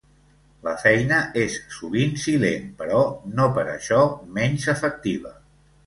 La feina és sovint silent, però no per això menys efectiva.